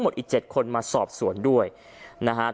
พระเจ้าอาวาสกันหน่อยนะครับ